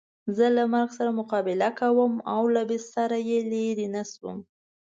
زه له مرګ سره مقابله کې وم او له بستره یې لرې نه شوم.